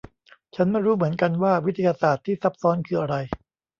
ฉันไม่รู้เหมือนกันว่าวิทยาศาสตร์ที่ซับซ้อนคืออะไร